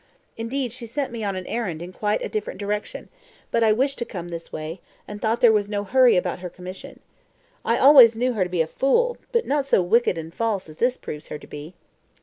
Indeed, she sent me on an errand in quite a different direction; but I wished to come this way, and thought there was no hurry about her commission. I always knew her to be a fool, but not so wicked and false as this proves her to be."